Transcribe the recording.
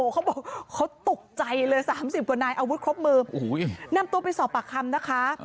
เขาบอกเขาตกใจเลย๓๐กว่านายอาวุธครบมือนำตัวไปสอบปากคำนะคะ